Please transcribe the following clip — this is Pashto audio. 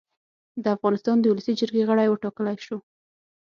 د افغانستان د اولسي جرګې غړی اوټاکلی شو